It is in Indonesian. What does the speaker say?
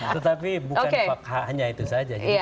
tetapi bukan fakha hanya itu saja